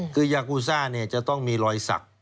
คือยากูซ่าจะต้องมีรอยสัก